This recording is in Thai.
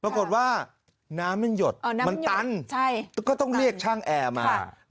ปรากฏว่าน้ำมันหยดมันตันก็ต้องเรียกช่างแอร์มา